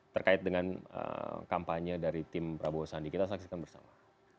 terkait dengan kampanye dari tim prabowo sandi kita saksikan bersama